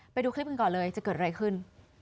ไปดูคลิปกันก่อนเลยจะเกิดอะไรขึ้น